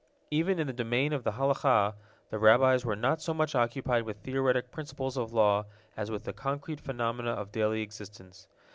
Even in the domain of the Halakah, the Rabbis were not so much occupied with theoretic principles of law as with the concrete phenomena of daily existence.